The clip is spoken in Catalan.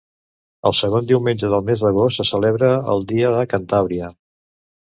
El segon diumenge del mes d'agost se celebra el Dia de Cantàbria.